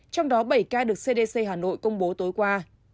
trong đó bảy ca được cdc hà nội công bố tối qua